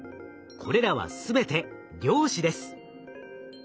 これらは全て量子です。